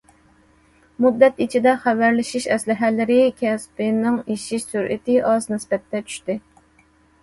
مۇددەت ئىچىدە، خەۋەرلىشىش ئەسلىھەلىرى كەسپىنىڭ ئېشىش سۈرئىتى ئاز نىسبەتتە چۈشتى.